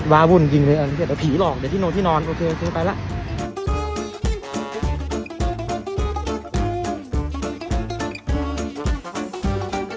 จริงจริงมันส่งแค่ตรงนี้ใกล้ใต้ก็เดี๋ยวโอเคใช่พี่กับขอบคุณมากครับพี่